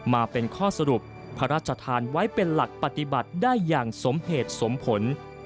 มาเป็นข้อสรุปพระราชทานไว้เป็นหลักปฏิบัติได้อย่างสมเหตุสมผล